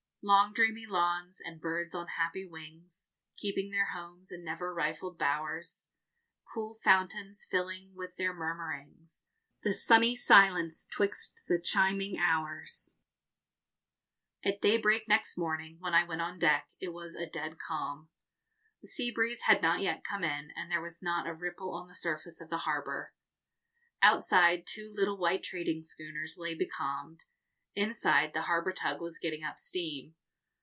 Long dreamy lawns, and birds on happy wings, Keeping their homes in never rifled bowers; Cool fountains filling with their murmurings The sunny silence 'twixt the chiming hours. At daybreak next morning, when I went on deck, it was a dead calm. The sea breeze had not yet come in, and there was not a ripple on the surface of the harbour. Outside, two little white trading schooners lay becalmed; inside, the harbour tug was getting up steam.